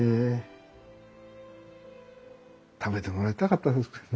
食べてもらいたかったですけどね。